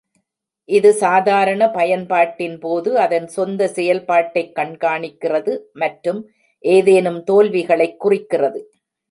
இது சாதாரண பயன்பாட்டின் போது அதன் சொந்த செயல்பாட்டைக் கண்காணிக்கிறது மற்றும் ஏதேனும் தோல்விகளைக் குறிக்கிறது.